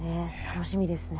楽しみですね。